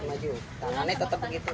tangannya tetap begitu